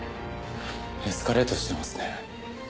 エスカレートしてますね。